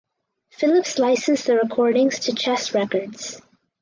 Phillips licensed the recordings to Chess Records.